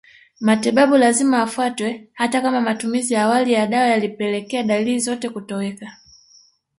Matibabu lazima yafuatwe hata kama matumizi ya awali ya dawa yalipelekea dalili zote kutoweka